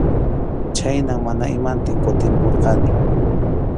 Chhaynam mana imantin kutimpurqani.